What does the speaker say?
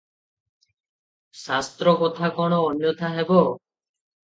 ଶାସ୍ତ୍ର କଥା କଣ ଅନ୍ୟଥା ହେବ?